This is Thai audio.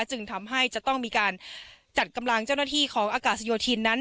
จึงทำให้จะต้องมีการจัดกำลังเจ้าหน้าที่ของอากาศโยธินนั้น